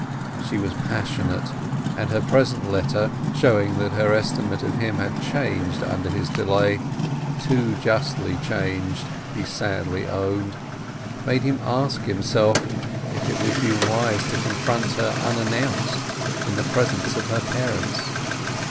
She was passionate, and her present letter, showing that her estimate of him had changed under his delay—too justly changed, he sadly owned,—made him ask himself if it would be wise to confront her unannounced in the presence of her parents.